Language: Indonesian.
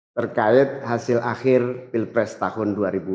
terkait hasil akhir pilpres tahun dua ribu dua puluh